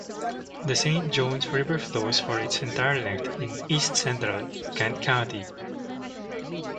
The Saint Jones River flows for its entire length in east-central Kent County.